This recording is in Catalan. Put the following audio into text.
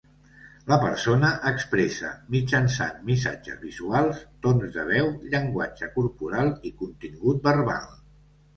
La persona expressa mitjançant missatges visuals, tons de veu, llenguatge corporal i contingut verbal.